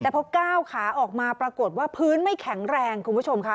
แต่พอก้าวขาออกมาปรากฏว่าพื้นไม่แข็งแรงคุณผู้ชมค่ะ